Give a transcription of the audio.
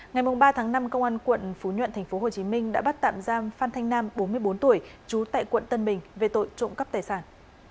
ngày ba tháng năm công an quận phú nhuận tp hcm đã bắt tạm giam phan thanh nam bốn mươi bốn tuổi trú tại quận tân bình về tội trộm cắp tài sản